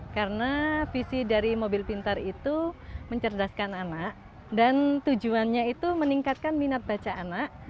karena visi dari mobil pintar itu mencerdaskan anak dan tujuannya itu meningkatkan minat baca anak